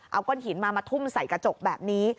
เอาก้อนหินมามาทุ่มใส่กระจกแบบนี้